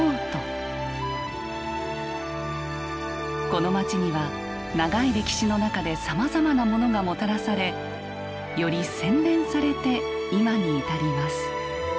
この街には長い歴史の中でさまざまなモノがもたらされより洗練されて今に至ります。